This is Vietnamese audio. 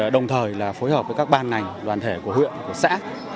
đồng thời phối hợp với các ban ngành đoàn thể của huyện xã